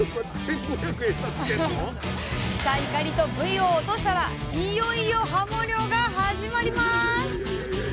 さあイカリとブイを落としたらいよいよはも漁が始まります！